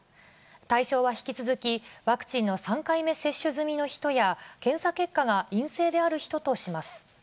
対象は引き続き、ワクチンの３回目接種済みの人や、検査結果が陰性である人とします。